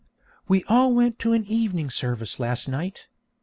We all went to an evening service last night.